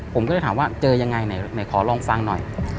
ผมก็จะถามว่าเจอยังไงไหนขอลองฟังหน่อย